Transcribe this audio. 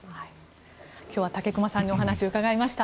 今日は武隈さんにお話を伺いました。